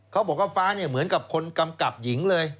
เขาบอกว่าฟ้าเนี่ยเหมือนกับคนกำกับหญิงเลย